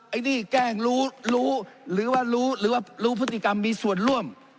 ไอ้นี่แกล้งรู้หรือว่ารู้หรือว่ารู้พฤติกรรมมีส่วนร่วม